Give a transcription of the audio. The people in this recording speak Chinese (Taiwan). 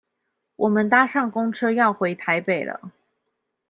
我們搭上公車要回台北了